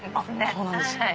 そうなんです。